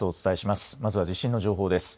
まずは地震の情報です。